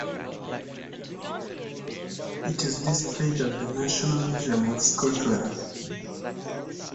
It is displayed at the National Museum of Scotland.